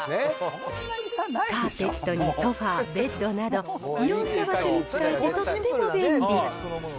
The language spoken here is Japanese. カーペットにソファ、ベッドなど、いろんな場所に使えてとっても便利。